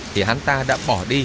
thì hắn ta đã bỏ đi